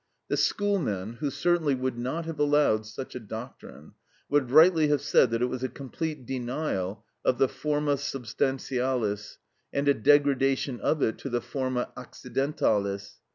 The schoolmen, who certainly would not have allowed such a doctrine, would rightly have said that it was a complete denial of the forma substantialis, and a degradation of it to the forma accidentalis.